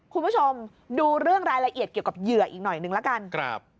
คุณผู้ชมดูเรื่องรายละเอียดเกี่ยวกับเหยื่ออีกหน่อยนึงละกันครับ